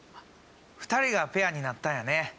２人がペアになったんやね。